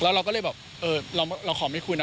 แล้วเราก็เลยบอกเราขอไม่คุณนะ